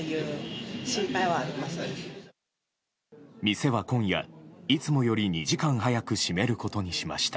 店は今夜、いつもより２時間早く閉めることにしました。